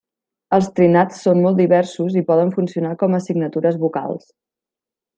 Els trinats són molt diversos i poden funcionar com a signatures vocals.